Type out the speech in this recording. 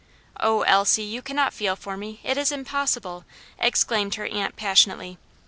"Oh! Elsie, you cannot feel for me; it is impossible!" exclaimed her aunt passionately.